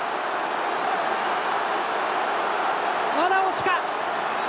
まだ押すか。